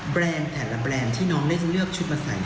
แรนด์แต่ละแบรนด์ที่น้องได้เลือกชุดมาใส่